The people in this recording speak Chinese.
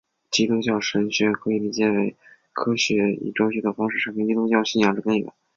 基督教神学可以理解为以科学与哲学的方式阐明基督教信仰之根源。